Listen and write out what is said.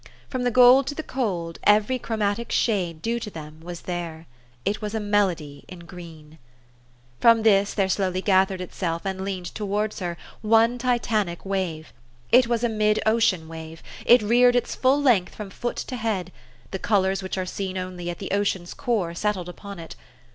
From the gold to the cold, every chromatic shade due to them was there. It was a melody in green. 148 THE STORY OF AVIS. From this there slowly gathered itself, and leaned towards her, one Titantic wave. It was a mid ocean wave. It reared its full length from foot to head. The colors which are seen only at the ocean's core settled upon it.